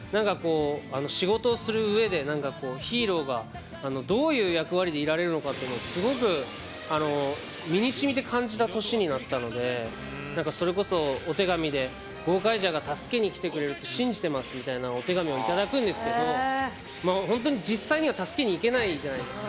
仕事をするうえでヒーローがどういう役割でいられるのかというのがすごく身にしみて感じた年になったのでそれこそお手紙で「ゴーカイジャー」が助けにきてくれるって信じてますっていうお手紙をいただくんですけど本当に実際には助けにいけないじゃないですか。